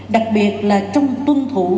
đặc biệt là trong tuân thủ